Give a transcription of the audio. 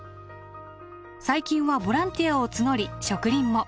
最近はボランティアを募り植林も。